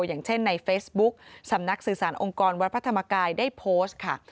อย่างเช่นในเฟซบุ๊กสำนักสื่อสารองค์กรวัดพระธรรมกายได้โพสต์ค่ะ